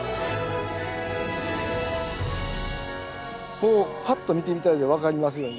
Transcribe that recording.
こうパッと見て頂いて分かりますようにね